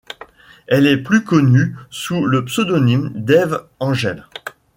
Elle est plus connue sous le pseudonyme d'Eve Angel.